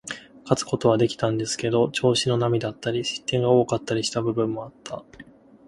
勝つことはできたんですけど、調子の波だったり、失点が多かったりした部分もあった。